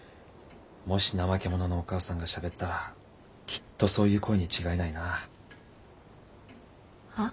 もしナマケモノのお母さんがしゃべったらきっとそういう声に違いないな。はっ？